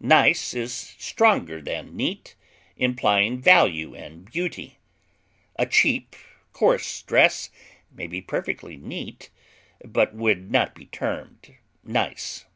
Nice is stronger than neat, implying value and beauty; a cheap, coarse dress may be perfectly neat, but would not be termed nice.